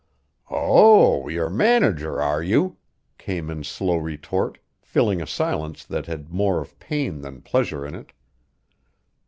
"Oh, you're manager, are you!" came in slow retort, filling a silence that had more of pain than pleasure in it.